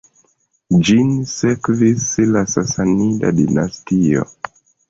Ĝin sekvis la Sasanida dinastio.